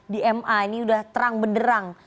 di ma ini sudah terang benderang